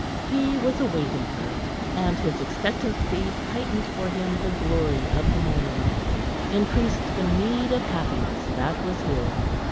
He was awaiting her, and his expectancy heightened for him the glory of the morning, increased the meed of happiness that was his.